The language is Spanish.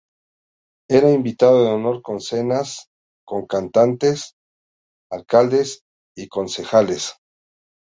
Era invitado de honor en cenas con cantantes, alcaldes y concejales.